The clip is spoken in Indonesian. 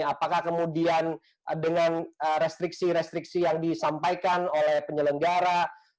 apakah kemudian dengan restriksi restriksi yang disampaikan oleh penyelenggara